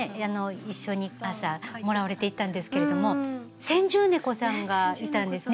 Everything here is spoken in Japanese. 一緒にアーサーもらわれていったんですけれども先住猫さんがいたんですね。